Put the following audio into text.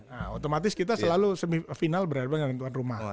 nah otomatis kita selalu semifinal berhadapan dengan tuan rumah